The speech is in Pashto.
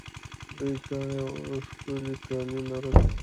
دوی ګاڼې او ښکلي کالي لرل